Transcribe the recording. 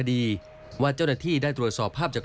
และที่จะมีความคิดขึ้นกับคุณ